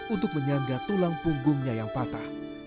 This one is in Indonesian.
untuk menyangga tulang punggungnya yang patah